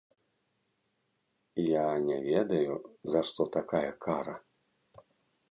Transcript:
Я не ведаю, за што такая кара!